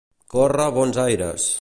Córrer bons aires.